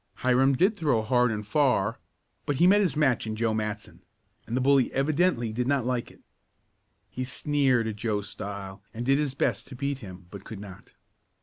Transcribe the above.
Hiram did throw hard and far, but he met his match in Joe Matson, and the bully evidently did not like it. He sneered at Joe's style and did his best to beat him, but could not.